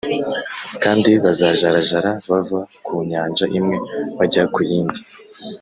Kandi bazajarajara bava ku nyanja imwe bajya ku yindi